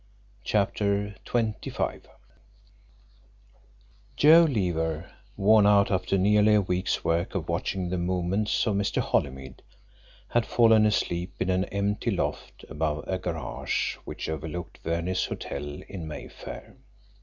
CHAPTER XXV Joe Leaver, worn out after nearly a week's work of watching the movements of Mr. Holymead, had fallen asleep in an empty loft above a garage which overlooked Verney's Hotel in Mayfair.